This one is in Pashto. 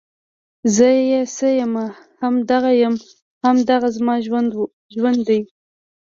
زۀ چې څۀ يم هم دغه يم، هـــم دغه زمـا ژونـد ون دی